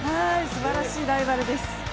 すばらしいライバルです。